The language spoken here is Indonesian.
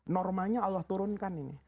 normanya allah turunkan ini